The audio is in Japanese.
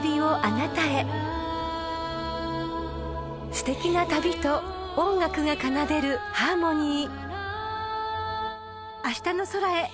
［すてきな旅と音楽が奏でるハーモニー］